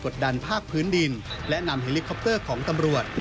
ดันภาคพื้นดินและนำเฮลิคอปเตอร์ของตำรวจ